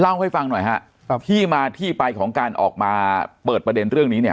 เล่าให้ฟังหน่อยฮะที่มาที่ไปของการออกมาเปิดประเด็นเรื่องนี้เนี่ย